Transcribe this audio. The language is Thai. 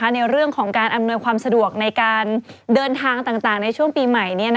ในเรื่องของการอำนวยความสะดวกในการเดินทางต่างในช่วงปีใหม่